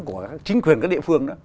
của chính quyền các địa phương đó